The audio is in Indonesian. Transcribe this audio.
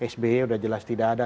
sbe sudah jelas tidak ada